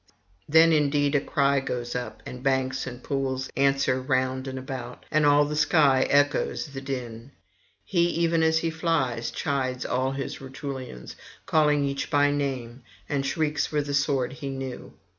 Then indeed a cry goes up, and banks and pools answer round about, and all the sky echoes the din. He, even as he flies, chides all his Rutulians, calling each by name, and shrieks for the sword he knew.